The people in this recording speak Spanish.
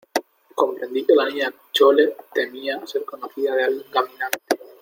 comprendí que la Niña Chole temía ser conocida de algún caminante